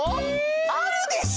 ⁉あるでしょ！